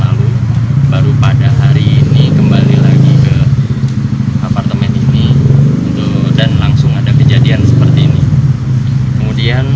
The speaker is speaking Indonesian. lalu baru pada hari ini kembali lagi ke apartemen ini untuk dan langsung ada kejadian seperti ini kemudian